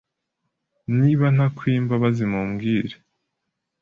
niba ntakwiye imbabazi mumbwire